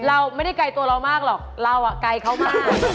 เราไม่ได้ไกลตัวเรามากหรอกเราไกลเขามาก